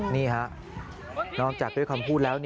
นี่ฮะนอกจากด้วยคำพูดแล้ว